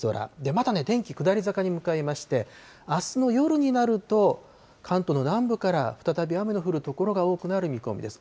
また天気、下り坂に向かいまして、あすの夜になると、関東の南部から再び雨の降る所が多くなる見込みです。